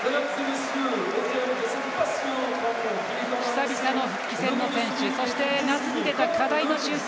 久々の復帰戦の選手そして、夏に出た課題の修正。